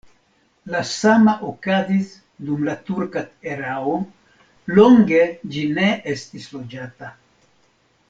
La sama okazis dum la turka erao, longe ĝi ne estis loĝata.